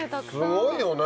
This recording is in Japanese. すごいよね。